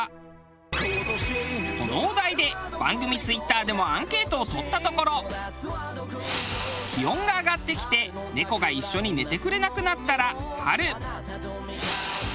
このお題で番組Ｔｗｉｔｔｅｒでもアンケートを取ったところ気温が上がってきてなどが挙がりました。